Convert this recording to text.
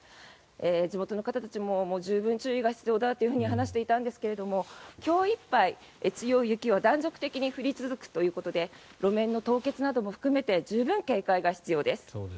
地元の方たちも十分注意が必要だと話していたんですが今日いっぱい、強い雪は断続的に降り続くということで路面の凍結なども含めて十分警戒が必要です。